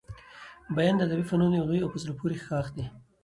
بیان د ادبي فنونو يو لوی او په زړه پوري ښاخ دئ.